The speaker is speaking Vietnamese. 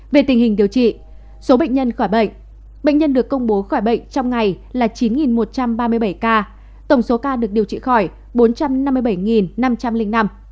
về tình hình điều trị số bệnh nhân khỏi bệnh bệnh nhân được công bố khỏi bệnh trong ngày là chín một trăm ba mươi bảy ca tổng số ca được điều trị khỏi bốn trăm năm mươi bảy năm trăm linh năm